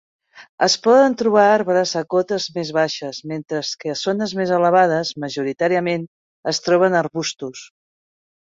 Es poden trobar arbres a cotes més baixes, mentre que a zones més elevades majoritàriament es troben arbustos.